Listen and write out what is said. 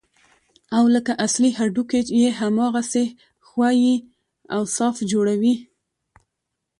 او لکه اصلي هډوکي يې هماغسې ښوى او صاف جوړوي.